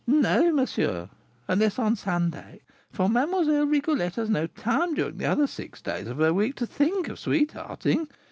"No, monsieur; unless on Sunday, for Mlle. Rigolette has no time during the other six days of the week to think of sweethearting.